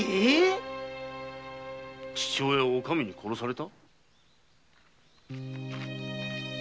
父親をお上に殺された？